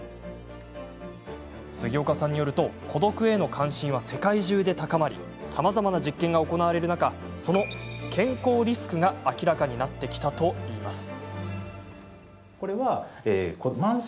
杉岡さんによると孤独への関心は世界中で高まりさまざまな実験が行われる中その健康リスクが明らかになってきたといいます。